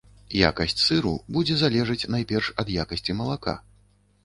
Якасць сыру будзе залежаць найперш ад якасці малака.